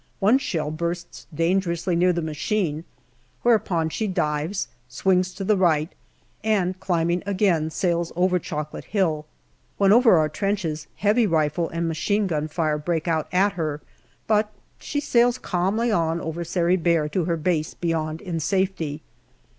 One shell bursts dangerously near the machine, whereupon she dives, swings to the right, and climbing again, sails over Chocolate Hill. When over our trenches heavy rifle and machine gun fire break out at her, but she sails calmly on over Sari Bair to her base behind in safety.